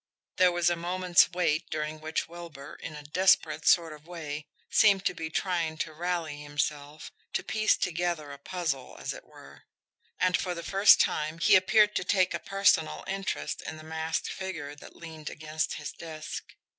There was a moment's wait, during which Wilbur, in a desperate sort of way, seemed to be trying to rally himself, to piece together a puzzle, as it were; and for the first time he appeared to take a personal interest in the masked figure that leaned against his desk.